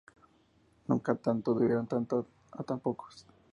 Nunca tantos debieron tanto a tan pocos